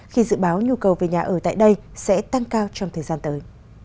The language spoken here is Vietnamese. khi dự báo nhu cầu về nhà ở tại đây sẽ tăng cao trong thời gian tới